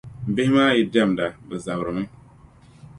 Bihi maa yi diɛmda, bɛ zabirimi.